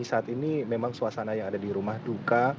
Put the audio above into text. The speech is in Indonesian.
saat ini memang suasana yang ada di rumah duka